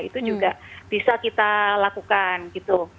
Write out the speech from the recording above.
itu juga bisa kita lakukan gitu